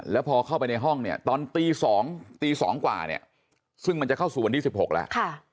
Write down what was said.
แล้วพอเข้าไปในห้องตอนตี๒กว่าซึ่งมันจะเข้าสู่วันที่๑๖แล้ว